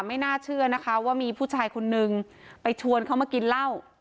ไม่น่าเชื่อนะคะว่ามีผู้ชายคนนึงไปชวนเขามากินเหล้า